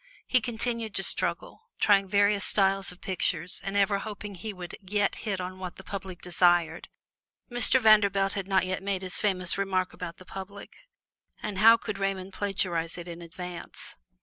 He continued to struggle, trying various styles of pictures and ever hoping he would yet hit on what the public desired. Mr. Vanderbilt had not yet made his famous remark about the public, and how could Raymond plagiarize it in advance?